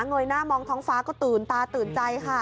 เยยหน้ามองท้องฟ้าก็ตื่นตาตื่นใจค่ะ